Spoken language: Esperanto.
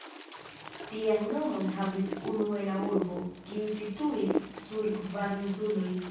Tian nomon havis unue la urbo, kiu situis sur kvar insuloj.